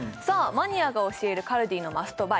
マニアが教えるカルディのマストバイ